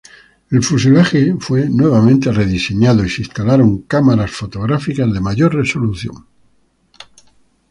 El fuselaje fue nuevamente rediseñado y se instalaron cámaras fotográficas de mayor resolución.